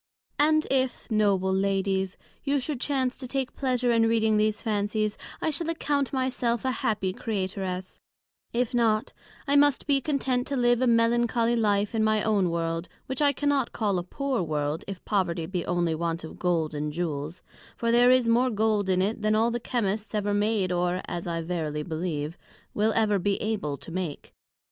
And if (Noble Ladies)you should chance to take pleasure in reading these Fancies, I shall account my self a Happy Creatoress: If not, I must be content to live a Melancholly Life in my own World; which I cannot call a Poor World, if Poverty be only want of Gold, and Jewels: for, there is more Gold in it, than all the Chymists ever made; or, (as I verily believe) will ever be able to make.